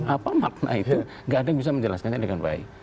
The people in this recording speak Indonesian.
apa makna itu gak ada yang bisa menjelaskannya dengan baik